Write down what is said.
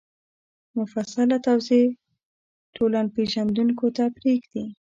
مفصله توضیح ټولنپېژندونکو ته پرېږدي